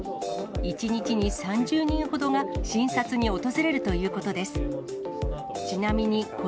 １日に３０人ほどが診察に訪れるということです。